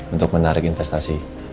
untuk menarik investasi